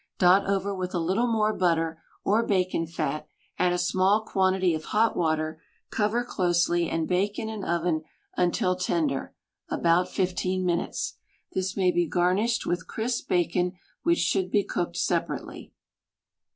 Dot over with a little more butter, or bacon fat, add a small quan tity of hot water, cover closely and bake in an oven until tender — about fifteen minutes. This may be garnished with crisp bacon which should be cooked separately.